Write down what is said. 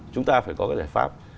chúng ta phải có cái giải pháp